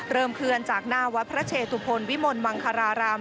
เคลื่อนจากหน้าวัดพระเชตุพลวิมลมังคาราราม